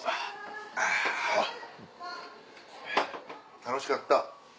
楽しかった。